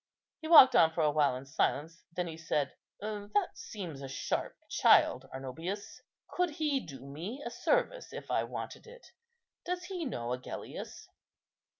He walked on for a while in silence; then he said, "That seems a sharp child, Arnobius. Could he do me a service if I wanted it? Does he know Agellius?"